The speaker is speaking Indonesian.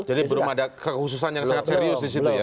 jadi belum ada kehususan yang serius disitu ya